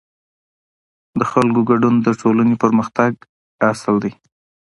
د خلکو ګډون د ټولنې پرمختګ اصل دی